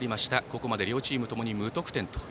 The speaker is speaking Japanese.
ここまで両チームともに無得点。